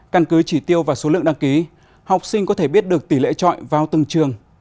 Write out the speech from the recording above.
căn cứ chỉ tiêu và số lượng đăng ký học sinh có thể biết được tỷ lệ trọi vào từng trường